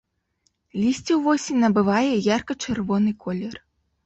Лісце ўвосень набывае ярка-чырвоны колер.